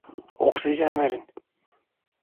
Oksijen verin.